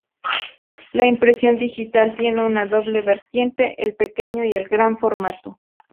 La impresión digital tiene una doble vertiente: el pequeño y el gran formato.